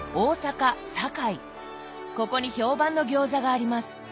ここに評判の餃子があります。